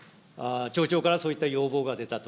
町長からそういった要望が出たと。